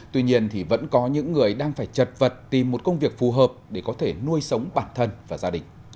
tuy nhiên vẫn có những người đang phải chật vật tìm một công việc phù hợp để có thể nuôi sống bản thân và gia đình